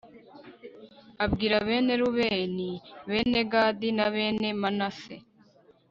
abwira bene rubeni, bene gadi na bene manase